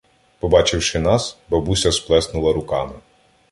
Побачивши нас, бабуся сплеснула руками.